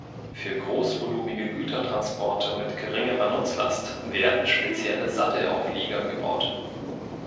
Für großvolumige Gütertransporte mit geringerer Nutzlast werden spezielle Sattelauflieger gebaut.